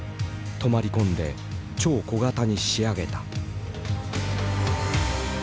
泊まり込んで超小型に仕上げた。